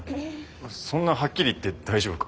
そんなはっきり言って大丈夫か？